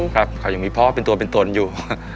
ครับเขายังมีพ่อเป็นตัวเป็นตนอยู่